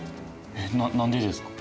えっ何でですか？